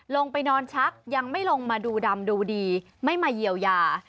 ลงไปนอนชักยังไม่ลงมาดูดำดูดีไม่มาเยียวยา